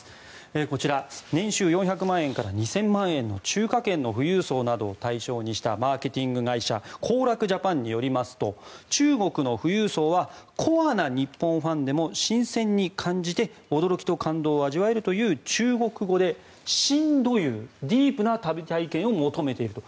こちら、年収４００万円から２０００万円の中華圏の富裕層などを対象にしたマーケティング会社行楽ジャパンによりますと中国の富裕層はコアな日本ファンでも新鮮に感じて驚きと感動を味わえるという中国語で深度遊ディープな旅体験を求めていると。